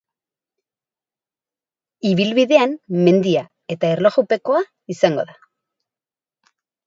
Ibilbidean mendia eta erlojupekoa izango da.